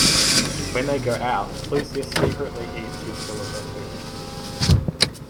When they go out Lucius secretly eats his fill of their food.